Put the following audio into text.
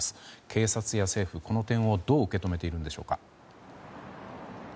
警察や政府、この点をどう受け止めているのですか。